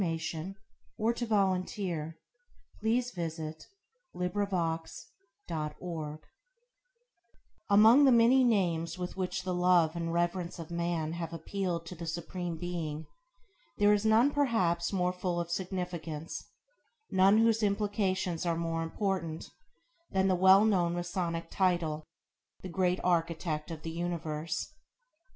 Madras India December 1916 [Page 1] AMONG the many names with which the love and reverence of man have appealed to the Supreme Being, there is none perhaps more full of significance, none whose implications are more important, than the well known Masonic title, The Great Architect of the Universe